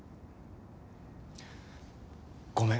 ごめん。